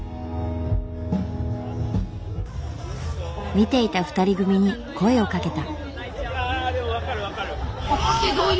見ていた２人組に声をかけた。